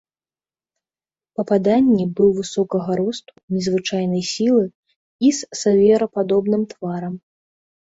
Па паданні быў высокага росту, незвычайнай сілы і з зверападобным тварам.